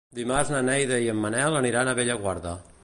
Dimarts na Neida i en Manel aniran a Bellaguarda.